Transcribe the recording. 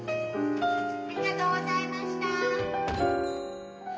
ありがとうございましたー！